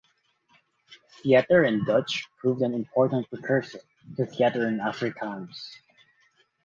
Theatre in Dutch proved an important precursor to theatre in Afrikaans.